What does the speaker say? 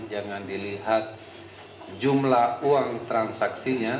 jangan dilihat jumlah uang transaksinya